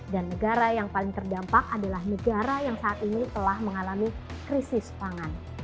dan negara yang paling terdampak adalah negara yang saat ini telah mengalami krisis pangan